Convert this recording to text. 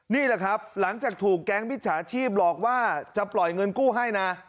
นี่แหละครับหลังจากถูกแก๊งมิจฉาชีพหลอกว่าจะปล่อยเงินกู้ให้นะ